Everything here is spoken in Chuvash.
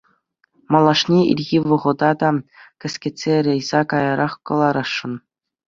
Малашне ирхи вӑхӑта та кӗскетсе рейса каярах кӑларасшӑн.